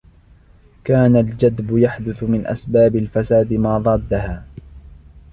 كَانَ الْجَدْبُ يَحْدُثُ مِنْ أَسْبَابِ الْفَسَادِ مَا ضَادَّهَا